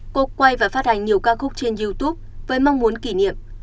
cô quay và phát hành nhiều ca khúc trên youtube với mong muốn kỷ niệm